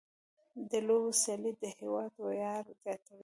د لوبو سیالۍ د هېواد ویاړ زیاتوي.